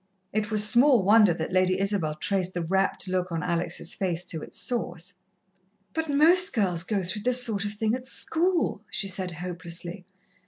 It was small wonder that Lady Isabel traced the rapt look on Alex' face to its source. "But most girls go through this sort of thing at school," she said hopelessly.